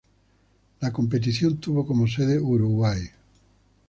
La competición tuvo como sede Uruguay.